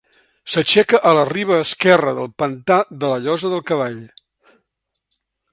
S'aixeca a la riba esquerra del pantà de la Llosa del Cavall.